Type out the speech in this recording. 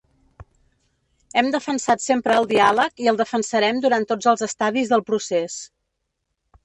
Hem defensat sempre el diàleg i el defensarem durant tots els estadis del procés.